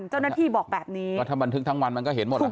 เจ้าหน้าที่บอกแบบนี้ก็ถ้าบันทึกทั้งวันมันก็เห็นหมดแล้ว